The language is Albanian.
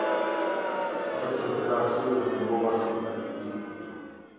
Edhe për këtë arsye u pengova shumë herë të vij tek ju.